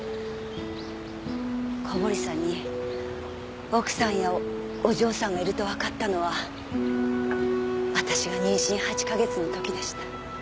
小堀さんに奥さんやお嬢さんがいるとわかったのは私が妊娠８カ月の時でした。